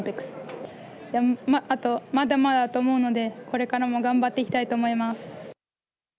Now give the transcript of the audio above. まだまだだと思うので、これからも頑張っていきたいと思います。